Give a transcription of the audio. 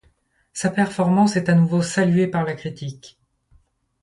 Sa performance est à nouveau saluée par la critique.